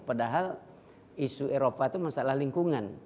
padahal isu eropa itu masalah lingkungan